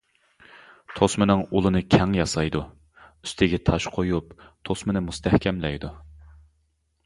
توسمىنىڭ ئۇلىنى كەڭ ياسايدۇ، ئۈستىگە تاش قويۇپ توسمىنى مۇستەھكەملەيدۇ.